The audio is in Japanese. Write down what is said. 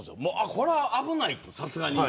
これは危ないと、さすがに。